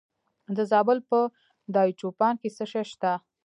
د زابل په دایچوپان کې څه شی شته؟